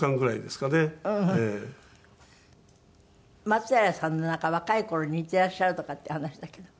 松平さんのなんか若い頃に似ていらっしゃるとかっていう話だけど。